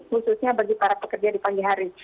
khususnya bagi para pekerja di pagi hari